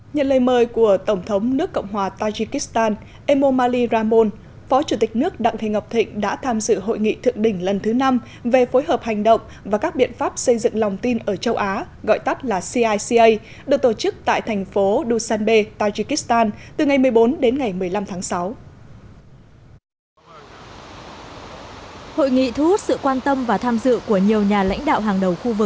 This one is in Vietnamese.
nhận lời mời của tổng thống nước cộng hòa tajikistan emomali ramon phó chủ tịch nước đặng thị ngọc thịnh đã tham dự hội nghị thượng đỉnh lần thứ năm về phối hợp hành động và các biện pháp xây dựng lòng tin ở châu á gọi tắt là cica được tổ chức tại thành phố dusanbe tajikistan từ ngày một mươi bốn đến ngày một mươi năm tháng sáu